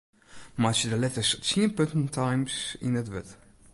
Meitsje de letters tsien punten Times yn it wurd.